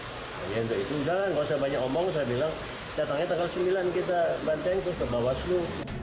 jadi untuk itu udah gak usah banyak omong saya bilang datang aja tanggal sembilan kita banten terus ke bawaslu